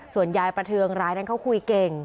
ส่วนยายประเทืองร้ายนั้นเขาคุยเก่ง